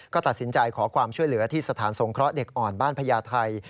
ก็ตัดสินใจขอความช่วยเหลือที่สถานสงเคราะห์เด็กอ่อนบ้านพญาไทย